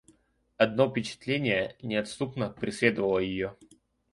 Одно впечатление неотступно преследовало ее.